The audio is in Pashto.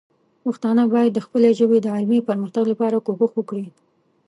پښتانه باید د خپلې ژبې د علمي پرمختګ لپاره کوښښ وکړي.